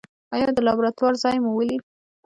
ایا د لابراتوار ځای مو ولید؟